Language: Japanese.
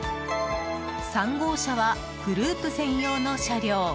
３号車はグループ専用の車両。